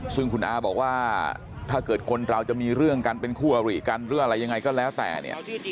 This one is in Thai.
ซึ่งคุณอาบอกว่าถ้าเกิดคนเราจะมีเรื่องกันเป็นคู่อริกันหรืออะไรยังไงก็แล้วแต่เนี่ย